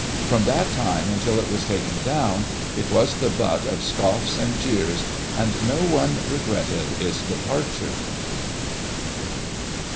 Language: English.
From that time, until it was taken down, it was the butt of scoffs and jeers, and no one regretted its depar ture.